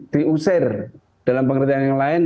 diusir dalam pengertian yang lain